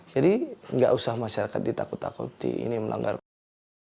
jadi tidak usah masyarakat ditakut takuti ini melanggar konstitusi